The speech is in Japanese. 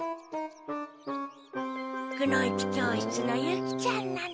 くの一教室のユキちゃんなの。